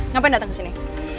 ngapain datang ke sini